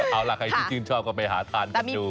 เอาล่ะใครที่ชื่นชอบก็ไปหาทานกันดู